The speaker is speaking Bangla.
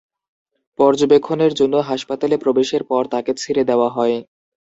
পর্যবেক্ষণের জন্য হাসপাতালে প্রবেশের পর তাকে ছেড়ে দেওয়া হয়।